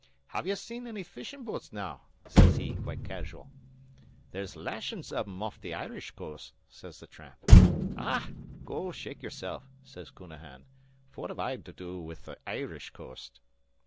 "'Hev ye seen any fishin' boats now?' sez he, quite casual. "'There's lashin's av them off the Irish coast,' sez the tramp. "'Aah! go shake yerself,' sez Counahan. 'Fwhat have I to do wid the Irish coast?'